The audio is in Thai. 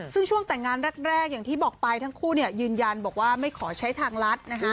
ซึ่งช่วงแต่งงานแรกอย่างที่บอกไปทั้งคู่ยืนยันบอกว่าไม่ขอใช้ทางรัฐนะฮะ